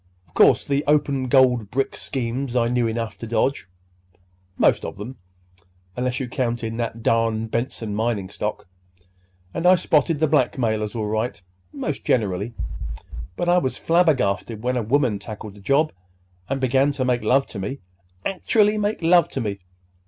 Of course, the open gold brick schemes I knew enough to dodge, 'most of 'em (unless you count in that darn Benson mining stock), and I spotted the blackmailers all right, most generally. But I was flabbergasted when a woman tackled the job and began to make love to me—actually make love to me!